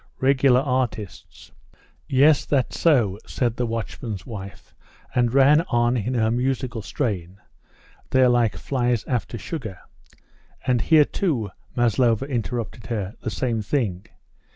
"Regular artists." "Yes, that's so," said the watchman's wife, and ran on in her musical strain, "they're like flies after sugar." "And here, too," Maslova interrupted her, "the same thing.